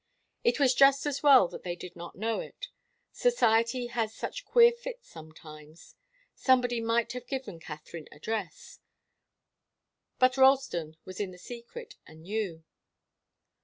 It was just as well that they did not know it. Society has such queer fits sometimes somebody might have given Katharine a dress. But Ralston was in the secret and knew.